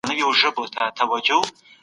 چېري د تابعیت نه لرلو ستونزه شتون لري؟